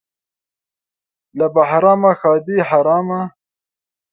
له بهرامه ښادي حرامه.